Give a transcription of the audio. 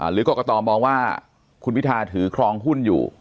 หรือกรกตมองว่าคุณพิทาถือครองหุ้นอยู่